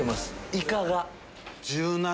イカが。